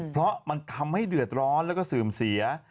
เพราะมันทำให้เดือดร้อนแล้วก็เสื่อมเสีย